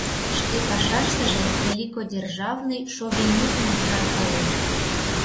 Шке пашаштыже великодержавный шовинизмым шаркален.